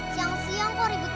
siang siang kok ribut banget